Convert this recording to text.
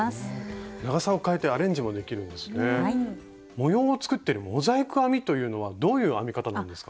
模様を作ってるモザイク編みというのはどういう編み方なんですか？